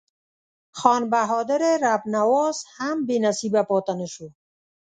خان بهادر رب نواز هم بې نصیبه پاته نه شو.